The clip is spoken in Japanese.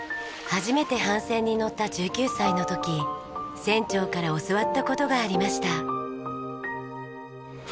初めて帆船に乗った１９歳の時船長から教わった事がありました。